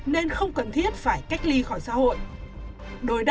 nên không cần thiết phải cách ly khỏi xã hội